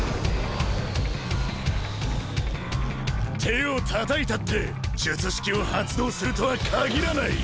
手をたたいたって術式を発動するとはかぎらない。